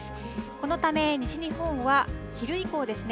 このため、西日本は昼以降ですね